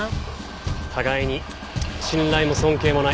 互いに信頼も尊敬もない。